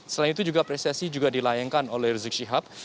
selain itu juga apresiasi juga dilayangkan oleh rizik syihab